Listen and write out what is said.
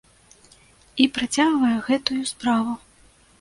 І працягвае гэтую справу.